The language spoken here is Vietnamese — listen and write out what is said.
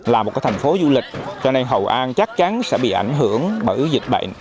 là một thành phố du lịch cho nên hội an chắc chắn sẽ bị ảnh hưởng bởi dịch bệnh